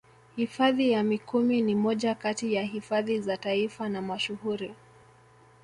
Hifadhi ya Mikumi ni moja kati ya hifadhi za Taifa na mashuhuri